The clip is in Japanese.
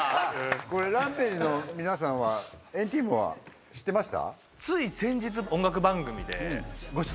これＲＡＭＰＡＧＥの皆さんは＆ＴＥＡＭは知ってました？